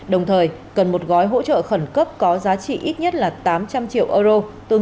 đồng thời cần một gói hỗ trợ khẩn cấp có giá trị ít nhất là tám trăm linh triệu euro tương